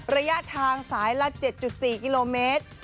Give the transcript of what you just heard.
ระยะทางสายละ๗๔กิโลเมตร